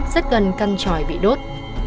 rất gần căn tròi bị đốt